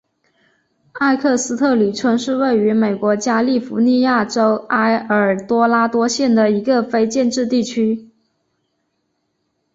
埃克斯特里村是位于美国加利福尼亚州埃尔多拉多县的一个非建制地区。